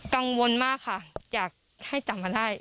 กังวลมากค่ะอยากให้จับมาได้